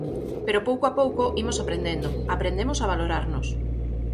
Pero pouco a pouco imos aprendendo, aprendemos a valorarnos.